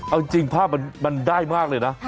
เอาจริงภาพมันได้มากเลยนะ